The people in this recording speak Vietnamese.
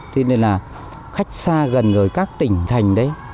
cho nên là khách xa gần rồi các tỉnh thành đấy